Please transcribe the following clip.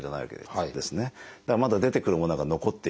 だからまだ出てくるものが残っている。